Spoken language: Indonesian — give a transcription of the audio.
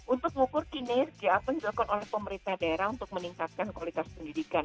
untuk mengukur kinerja atau diulangkan oleh pemerintah daerah untuk meningkatkan kualitas pendidikan